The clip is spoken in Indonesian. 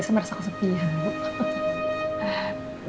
saya merasa kesepian